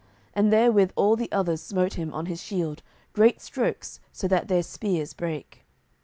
And therewith all the others smote him on his shield great strokes so that their spears brake.